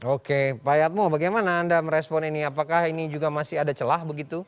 oke pak yatmo bagaimana anda merespon ini apakah ini juga masih ada celah begitu